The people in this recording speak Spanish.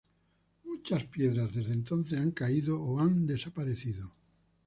Muchas piedras desde entonces han caído o han desaparecido.